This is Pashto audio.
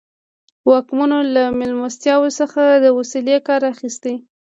واکمنو له مېلمستیاوو څخه د وسیلې کار اخیست.